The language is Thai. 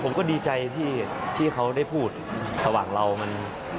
ผมก็ดีใจที่เขาได้พูดสว่างเรามัน